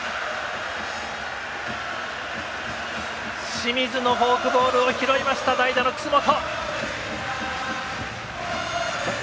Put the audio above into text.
清水のフォークボールを拾いました代打の楠本！